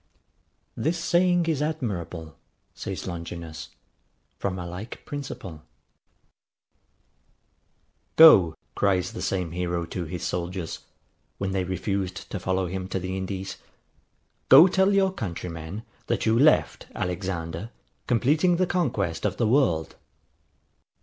This saying is admirable, says Longinus, from a like principle. [Footnote: Idem.] GO! cries the same hero to his soldiers, when they refused to follow him to the Indies, GO TELL YOUR COUNTRYMEN, THAT YOU LEFT Alexander COMPLETING THE CONQUEST OF THE WORLD.